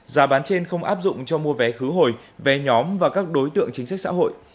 giá bán trên không áp dụng cho mua vé khứ hồi vé nhóm và các đối tượng chính sách xã hội